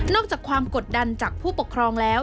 จากความกดดันจากผู้ปกครองแล้ว